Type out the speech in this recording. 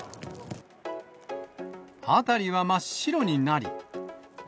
辺りは真っ白になり。